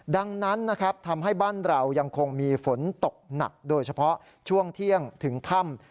ดังนั้นนะครับทำให้บ้านเรายังคงมีฝนตกหนักโดยเฉพาะช่วงเที่ยงถึงค่ำ